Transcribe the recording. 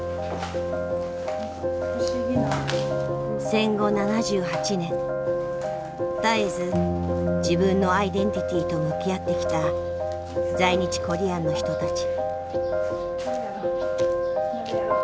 戦後７８年絶えず自分のアイデンティティーと向き合ってきた在日コリアンの人たち。